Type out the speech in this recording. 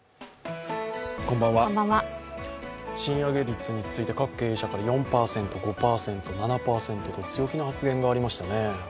賃上げ率について、各経営者から４％、５％、７％と強気の発言がありましたね。